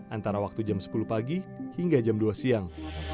antara waktu jam sepuluh pagi hingga jam dua siang